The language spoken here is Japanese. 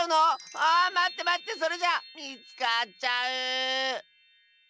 あまってまってそれじゃあみつかっちゃう！